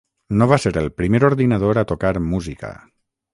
No va ser el primer ordinador a tocar música.